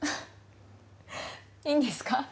いいんですか？